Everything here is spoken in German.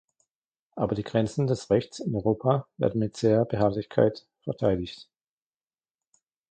Aber die Grenzen des Rechts in Europa werden mit zäher Beharrlichkeit verteidigt.